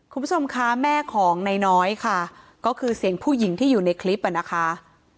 คุณผู้ชมคะแม่ของนายน้อยค่ะก็คือเสียงผู้หญิงที่อยู่ในคลิปอ่ะนะคะ